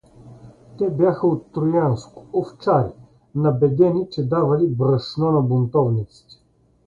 Те бяха от Троянско, овчари, набедени, че давали брашно на бунтовниците.